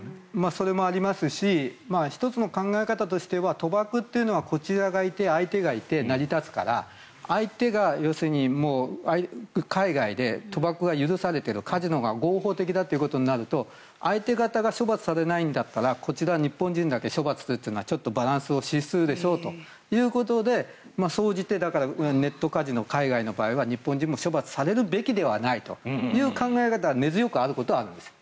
それもありますし１つの考え方としては賭博というのはこちらがいて、相手がいて成り立つから相手が要するに海外で賭博が許されているカジノが合法的だとなると相手方が処罰されないんだったらこちら、日本人だけ処罰するというのはバランスを失するでしょうということで総じてネットカジノ海外の場合は日本人も処罰されるべきではないという考え方が根強くあることはあるんです。